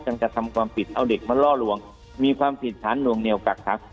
กระทำความผิดเอาเด็กมาล่อลวงมีความผิดฐานหน่วงเหนียวกักขัง